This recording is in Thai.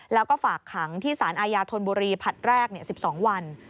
แล้วก็ฝากขังที่สารอาญาธนบุรีผัดแรก๑๒วัน